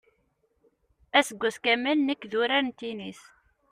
Aseggas kamel nekk d urar n tinis.